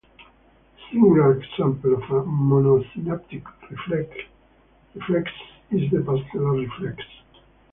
The singular example of a monosynaptic reflex is the patellar reflex.